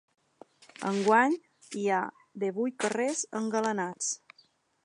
Enguany hi ha divuit carrers engalanats.